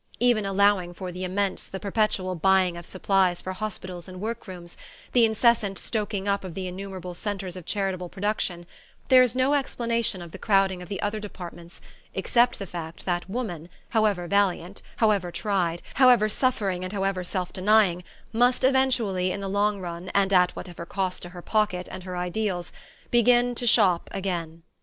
Even allowing for the immense, the perpetual buying of supplies for hospitals and work rooms, the incessant stoking up of the innumerable centres of charitable production, there is no explanation of the crowding of the other departments except the fact that woman, however valiant, however tried, however suffering and however self denying, must eventually, in the long run, and at whatever cost to her pocket and her ideals, begin to shop again.